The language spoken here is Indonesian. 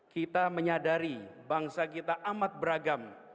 kita menyadari bangsa kita amat beragam